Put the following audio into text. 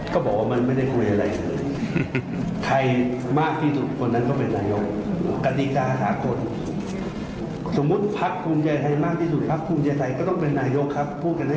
เราได้มีการคุยกันสิมั้ยครับว่ายินดีที่จะให้คุณเอกโปรวิทย์เป็นนายกก่อน